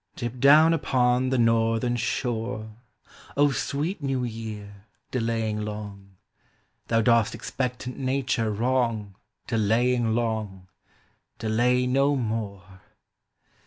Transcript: Dip down upon the northern shore, O sweet new year, delaying long: Thou dost expectant Nature wrong; Delaying long, delay no more.